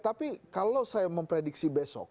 tapi kalau saya memprediksi besok